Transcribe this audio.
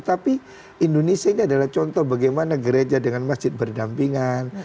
tapi indonesia ini adalah contoh bagaimana gereja dengan masjid berdampingan